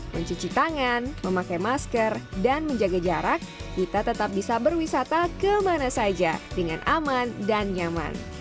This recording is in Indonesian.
mencuci tangan memakai masker dan menjaga jarak kita tetap bisa berwisata kemana saja dengan aman dan nyaman